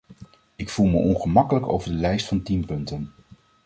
Ik voel me ongemakkelijk over de lijst van tien punten.